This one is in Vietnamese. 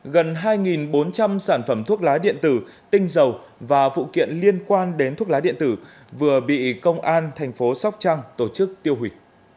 gần hai bốn trăm linh sản phẩm thuốc lá điện tử tinh dầu và vụ kiện liên quan đến thuốc lá điện tử vừa bị công an thành phố sóc trăng tổ chức tiêu hủy